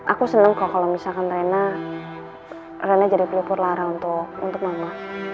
aku seneng kok kalau misalkan reina reina jadi pelukur lara untuk mama